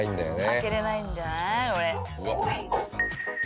開けれないんじゃない？